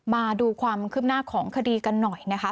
มาดูความคืบหน้าของคดีกันหน่อยนะคะ